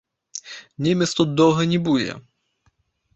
Немец тут доўга не будзе.